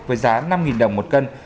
với giá năm đồng một cân